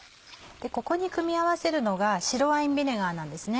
ここに組み合わせるのが白ワインビネガーなんですね。